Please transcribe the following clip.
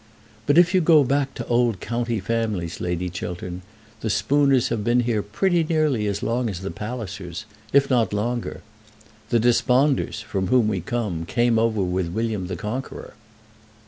But if you go back to old county families, Lady Chiltern, the Spooners have been here pretty nearly as long as the Pallisers, if not longer. The Desponders, from whom we come, came over with William the Conqueror."